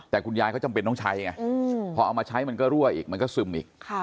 แต่คุณยายเขาจำเป็นต้องใช้ไงพอเอามาใช้มันก็รั่วอีกมันก็ซึมอีก